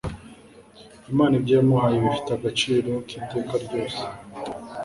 Imana ibyo yamuhaye bifite agaciro kiteka ryose